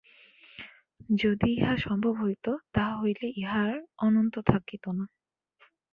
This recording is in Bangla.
যদি ইহা সম্ভব হইত, তাহা হইলে ইহা আর অনন্ত থাকিত না।